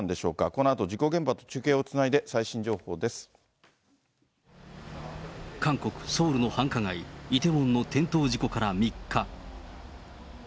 このあと事故現場と中継をつない韓国・ソウルの繁華街、イテウォンの転倒事故から３日。